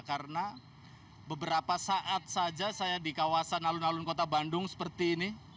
karena beberapa saat saja saya di kawasan alun alun kota bandung seperti ini